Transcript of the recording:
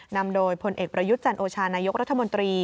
นำโดยพลเอกประยุทธ์จันโอชานายกรัฐมนตรี